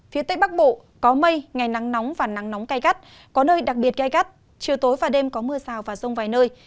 phía tây bắc bộ có mây ngày nắng nóng và nắng nóng cay gắt có nơi đặc biệt gai gắt chiều tối và đêm có mưa rào và rông vài nơi